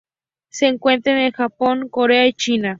Se encuentra en el Japón, Corea y China.